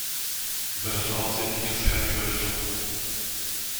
Über das Aussehen gibt es keine Überlieferung.